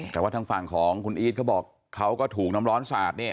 แต่ว่าทางฝั่งของคุณอีทเขาบอกเขาก็ถูกน้ำร้อนสาดเนี่ย